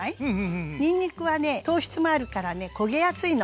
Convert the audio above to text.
にんにくはね糖質もあるからね焦げやすいの。